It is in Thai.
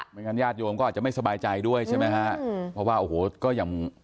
งั้นญาติโยมก็อาจจะไม่สบายใจด้วยใช่ไหมฮะอืมเพราะว่าโอ้โหก็อย่าง